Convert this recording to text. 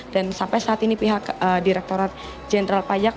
dan sampai saat ini pihak direktorat jenderal payak